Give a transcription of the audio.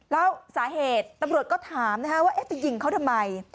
แล้วสาเหตุตำรวจก็ถามว่าไปยิงเขาทำไม